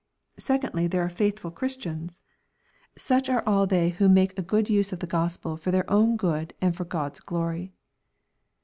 Secondly, tlere are faithful Christians. Such are aD they LUKE. CHAP. XIX. 307 who make a good use of the Gospel, for their own good and for God's glory.